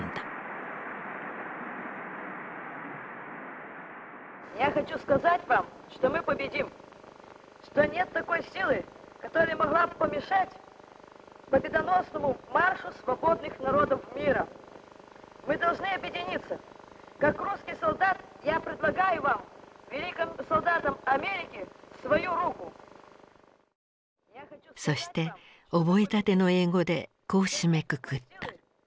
そして覚えたての英語でこう締めくくった。